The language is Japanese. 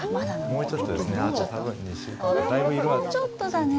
もうちょっとだね。